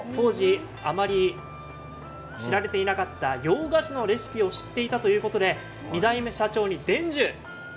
当時、あまり知られていなかった洋菓子のレシピを知っていたということで２代目社長に伝授。